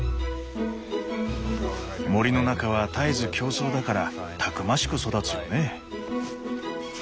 森の中は絶えず競争だからたくましく育つよね。